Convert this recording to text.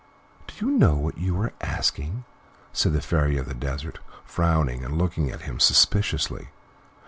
"Do you know what you are asking?" said the Fairy of the Desert, frowning, and looking at him suspiciously.